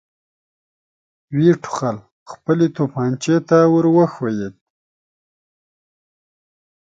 ويې ټوخل، خپلې توپانچې ته ور وښويېد.